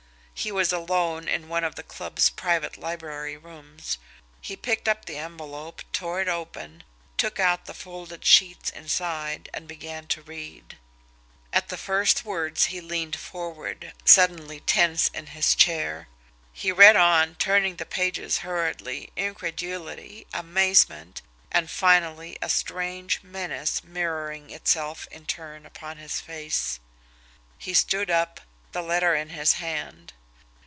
He was alone in one of the club's private library rooms. He picked up the envelope, tore it open, took out the folded sheets inside, and began to read. At the first words he leaned forward, suddenly tense in his chair. He read on, turning the pages hurriedly, incredulity, amazement, and, finally, a strange menace mirroring itself in turn upon his face. He stood up the letter in his hand.